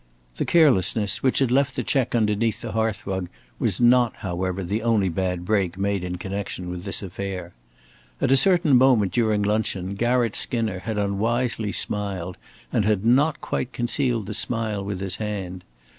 The carelessness which had left the check underneath the hearth rug was not, however, the only bad break made in connection with this affair. At a certain moment during luncheon Garratt Skinner had unwisely smiled and had not quite concealed the smile with his hand.